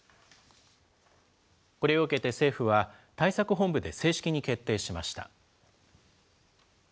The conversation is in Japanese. これを受けて政府は、対策本部で正式に決定しました。